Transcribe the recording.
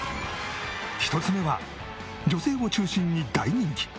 １つ目は女性を中心に大人気。